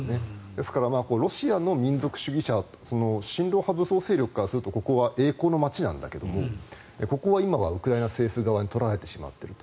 ですから、ロシアの民族主義者親ロ派武装勢力からするとここは栄光の街なんだけどここは今はウクライナ政府側に取られてしまっている。